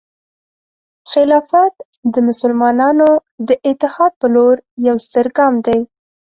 خلافت د مسلمانانو د اتحاد په لور یو ستر ګام دی.